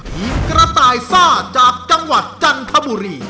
ทีมกระต่ายซ่าจากจังหวัดจันทบุรี